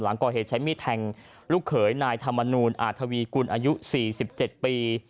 หลังก่อเหตุใช้มีดแทงลูกเขยนายธรรมนูลอาทวีกุลอายุ๔๗ปี